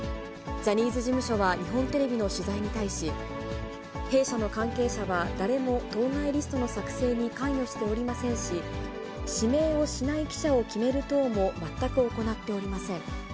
ジャニーズ事務所は日本テレビの取材に対し、弊社の関係者は誰も当該リストの作成に関与しておりませんし、指名をしない記者を決める等も全く行っておりません。